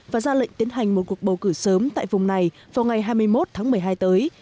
và ra lệnh tiến hành một cuộc bầu cử sớm tại vùng này vào ngày hai mươi một tháng một mươi hai tới